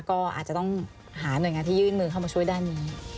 ก็อาจจะต้องหาหน่วยงานที่ยื่นมือเข้ามาช่วยด้านนี้